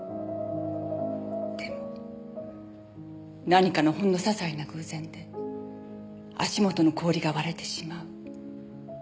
でも何かのほんのささいな偶然で足元の氷が割れてしまう。